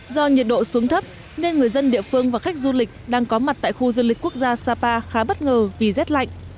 do nhiệt độ xuống thấp nên người dân địa phương và khách du lịch đang có mặt tại khu du lịch quốc gia sapa khá bất ngờ vì rét lạnh